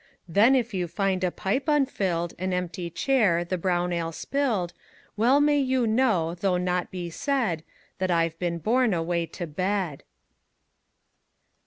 Then if you find a pipe unfilled, An empty chair, the brown ale spilled; Well may you know, though naught be said, That I've been borne away to bed.